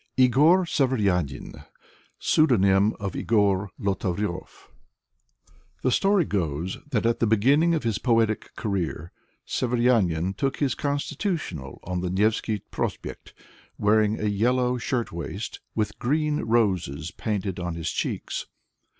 Igor Severyanin (Pseud, of Igor Lotarev) The story goes that at the beginning of his poetic career Severyanin took his constitutional on the Nevsky Prospekt wear ing a yellow shirtwaist, with green roses painted on his cheeks.